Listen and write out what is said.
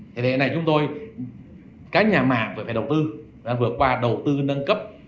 thế này chúng tôi các nhà mạng phải đầu tư vừa qua đầu tư nâng cấp